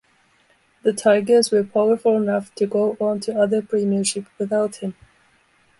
The Tigers were powerful enough to go on to another premiership without him.